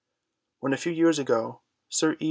When a few years ago Sir E.